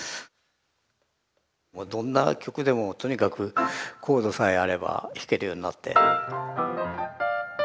もうどんな曲でもとにかくコードさえあれば弾けるようになって。